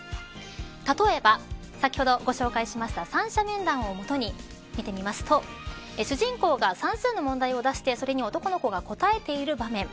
例えば、先ほどご紹介した惨者面談を基に見てみますと主人公が算数の問題を出してそれに男の子が答えている場面。